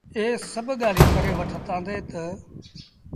اي سڀ ڳآليٚنٚ ڪري وٺتآندي تا